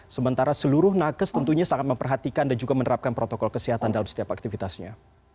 sementara seluruh nakes tentunya sangat memperhatikan dan juga menerapkan protokol kesehatan dalam setiap aktivitasnya